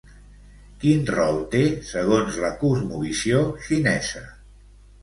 Quin rol té segons la cosmovisió xinesa?